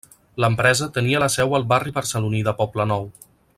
L'empresa tenia la seu al barri barceloní de Poblenou.